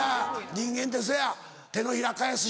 人間ってそや手のひら返す